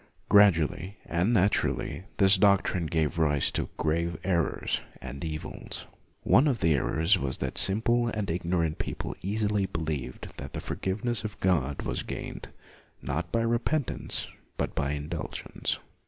Gradually and naturally, this doctrine gave rise to grave errors and evils. One of the errors was that simple and ignorant people easily believed that the forgiveness of God was gained, not by repentance, but by indulgence.